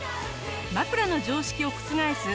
枕の常識を覆す